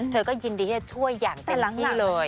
เธอก็ยินดีที่จะช่วยอย่างเต็มที่เลย